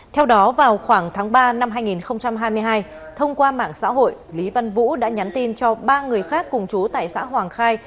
theo đó vào khoảng tháng ba năm hai nghìn hai mươi hai thông qua mạng xã hội lý văn vũ đã nhắn tin cho ba người khác cùng chú tại xã hoàng khai